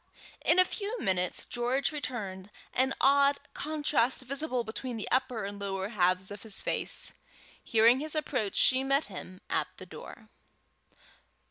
In a few minutes George returned, an odd contrast visible between the upper and lower halves of his face. Hearing his approach she met him at the door.